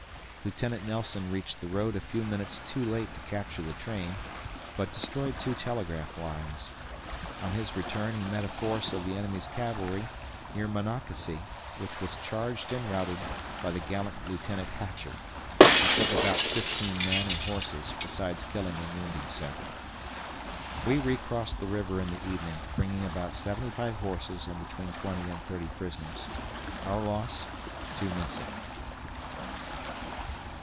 Lieutenant Nelson reached the road a few minutes too late to capture the train, but destroyed two telegraph lines. On his return he met a force of the enemy's cavalry, near Monocacy, which was charged and routed by the gallant Lieutenant Hatcher, who took about 15 men and horses, besides killing and wounding several. We recrossed the river in the evening, bringing about 75 horses and between 20 and 30 prisoners. Our loss, 2 missing.